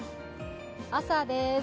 朝です。